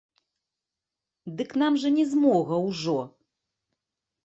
Дык нам жа не змога ўжо.